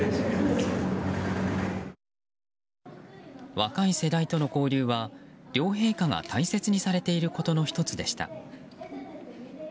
若い世代との交流は両陛下が大切にされていることの１つでした。